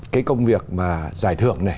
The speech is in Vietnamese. cái công việc mà giải thưởng này